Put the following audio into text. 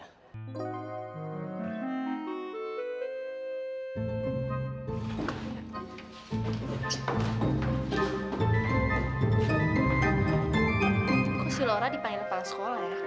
kok si laura dipanggil pak sekolah ya